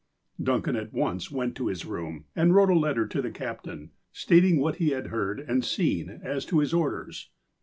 Duncan at once went to his room, and wrote a letter to the captain, stating what he had heard and seen as to his orders.